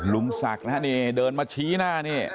ลุมสักนะนี่เดินมาชี้หน้าเนี่ย